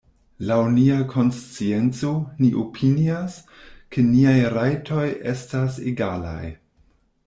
Laŭ nia konscienco, ni opinias, ke niaj rajtoj estas egalaj.